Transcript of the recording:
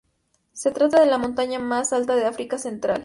Se trata de la montaña más alta de África Central.